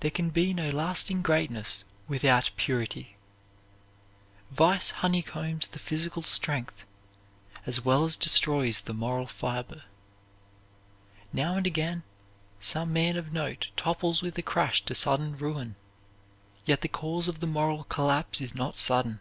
There can be no lasting greatness without purity. Vice honeycombs the physical strength as well as destroys the moral fiber. Now and again some man of note topples with a crash to sudden ruin. Yet the cause of the moral collapse is not sudden.